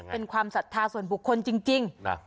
เป็นความศรัทธาส่วนบุคคลจริง